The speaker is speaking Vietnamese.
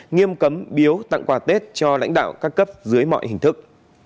nghiêm cấm biếu tặng quà tết cho lãnh đạo các cấp dưới mọi hình thức